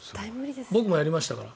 僕もやりましたから。